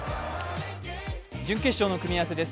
準決勝の組み合わせです。